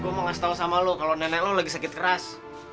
gue mau ngasih tau sama lo kalau nenek lo lagi sakit keras